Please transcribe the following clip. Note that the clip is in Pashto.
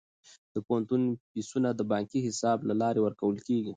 د پوهنتون فیسونه د بانکي حساب له لارې ورکول کیږي.